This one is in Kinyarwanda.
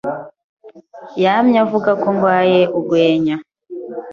yamye avuga ko ndwaye urwenya.